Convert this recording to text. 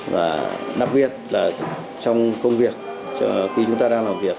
và đặc biệt là trong công việc khi chúng ta đang làm việc